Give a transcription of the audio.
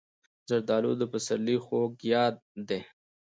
زردالو د پسرلي خوږ یاد دی.